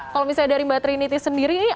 kalau misalnya dari mbak trinity sendiri